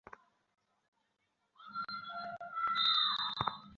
তা, উনি যদি হিন্দুসমাজে চলতে চান তা হলে ওঁকে সাবধান হতে হবে।